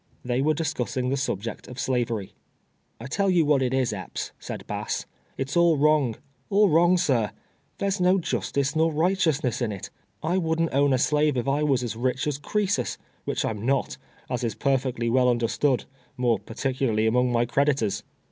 Tliey w(u e discussing the subject of Slavery. 206 TWELVE TEARS A SLATE. ''I tell you wliat it is Epps," said Bass, "it's all •wrong — 'all wrong, sir — there's no justice nor right eousness in it, I wouldn't own a slave if I was rich as Crossus, which I am not, as is perfectly well under stood, more particularly among my creditors.